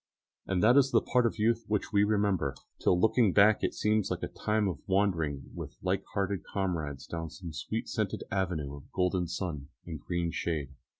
And that is the part of youth which we remember, till on looking back it seems like a time of wandering with like hearted comrades down some sweet scented avenue of golden sun and green shade.